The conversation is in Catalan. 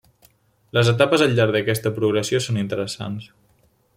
Les etapes al llarg d'aquesta progressió són interessants.